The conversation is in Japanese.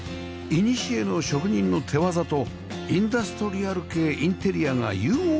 いにしえの職人の手業とインダストリアル系インテリアが融合する空間